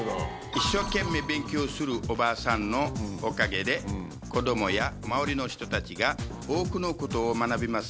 一生懸命勉強するおばあさんのおかげで子供や周りの人たちが多くのことを学びます。